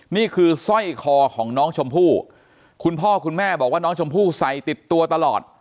นี่คือสร้อยคอของน้องชมพู่คุณพ่อคุณแม่บอกว่าน้องชมพู่ใส่ติดตัวตลอด